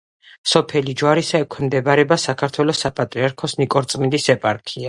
სოფელი ჯვარისა ექვემდებარება საქართველოს საპატრიარქოს ნიკორწმინდის ეპარქიას.